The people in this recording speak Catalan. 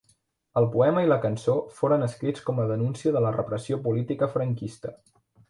El poema i la cançó foren escrits com a denúncia de la repressió política franquista.